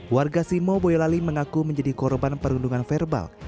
warga simo boyolali mengaku menjadi korban perundungan verbal